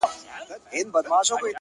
زما د ميني ليونيه ـ ستا خبر نه راځي ـ